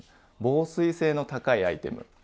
防水性の高いアイテム